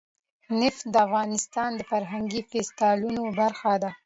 نفت د افغانستان د فرهنګي فستیوالونو برخه ده.